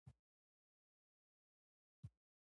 ایا زه به خپل ماشومان وپیژنم؟